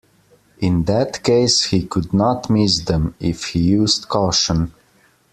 In that case he could not miss them, if he used caution.